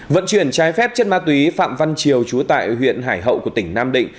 vận chuyển trái phép chất ma túy phạm văn triều chú tại huyện hải hậu của tỉnh nam định